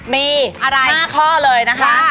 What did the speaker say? มี๕ข้อเลยนะคะ